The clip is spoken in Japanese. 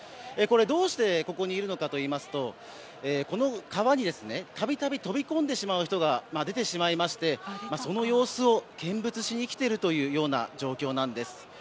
どうしてここにいるのかといいますとこの川に、たびたび飛び込んでしまう人が出てしまいましてその様子を見物しに来ている状況なんです。